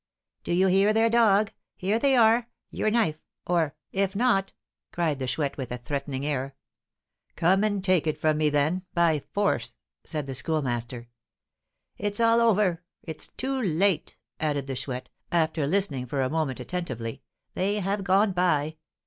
"Do you hear their dog? Here they are! Your knife! or, if not " cried the Chouette, with a threatening air. "Come and take it from me, then by force," said the Schoolmaster. "It's all over it's too late," added the Chouette, after listening for a moment attentively; "they have gone by.